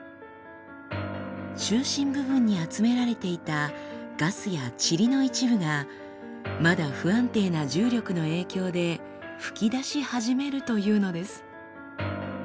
中心部分に集められていたガスや塵の一部がまだ不安定な重力の影響で噴き出し始めるというのです。